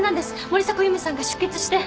森迫由美さんが出血して。